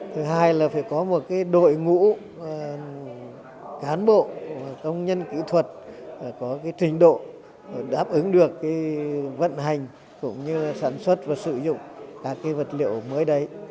thứ hai là phải có một đội ngũ cán bộ công nhân kỹ thuật có trình độ đáp ứng được vận hành cũng như sản xuất và sử dụng các vật liệu mới đấy